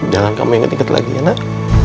jangan kamu inget inget lagi ya nak